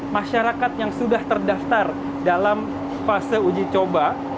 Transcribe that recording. masyarakat yang sudah terdaftar dalam fase uji coba